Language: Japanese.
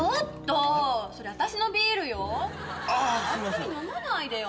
勝手に飲まないでよ